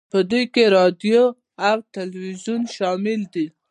په دې کې راډیو او تلویزیون شامل دي